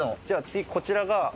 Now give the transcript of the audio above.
じゃあ次こちら側。